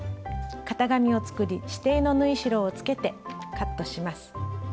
型紙を作り指定の縫い代をつけてカットします。